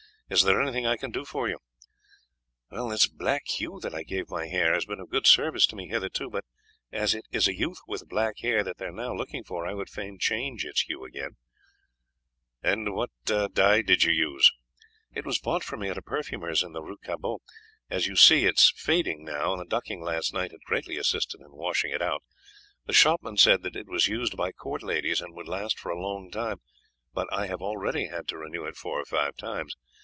Is there anything I can do for you?" "This black hue that I gave my hair has been of good service to me hitherto, but as it is a youth with black hair that they are now looking for, I would fain change its hue again." "What dye did you use?" "It was bought for me at a perfumer's in the Rue Cabot. As you see, it is fading now, and the ducking last night has greatly assisted to wash it out. The shopman said that it was used by court ladies and would last for a long time, but I have already had to renew it four or five times.